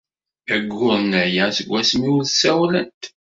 D ayyuren aya seg wasmi ur ssawlent.